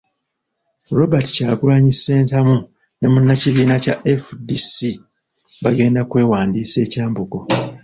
Robert Kyagulanyi Ssentamu ne Munnakibiina kya FDC bagenda okwewandiisa e Kyambogo.